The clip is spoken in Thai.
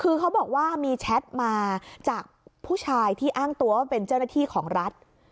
คือเขาบอกว่ามีแชทมาจากผู้ชายที่อ้างตัวว่าเป็นเจ้าหน้าที่ของรัฐ